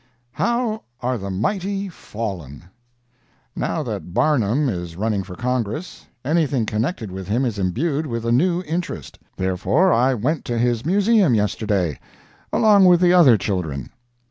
] HOW ARE THE MIGHTY FALLEN! Now that Barnum is running for Congress, anything connected with him is imbued with a new interest. Therefore I went to his Museum yesterday, along with the other children.